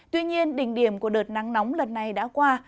tuy nhiên đỉnh điểm của đợt nắng nóng lần này đã qua